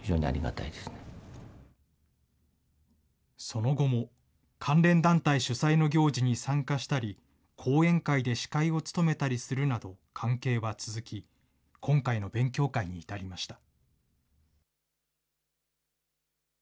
その後も関連団体主催の行事に参加したり、講演会で司会を務めたりするなど、関係は続き、今回の勉強会に至りました。